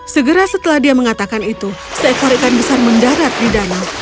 segera setelah dia mengatakan itu seekor ikan besar mendarat di danau